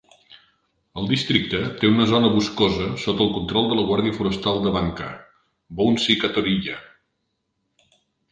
El districte té una zona boscosa sota el control de la guàrdia forestal de Banka, Bounsi Katoriya.